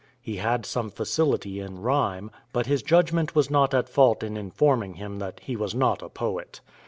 He had some facility in rhyme, but his judgment was not at fault in informing him that he was not a poet.